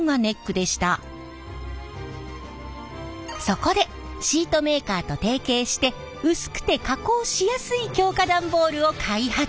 そこでシートメーカーと提携して薄くて加工しやすい強化段ボールを開発。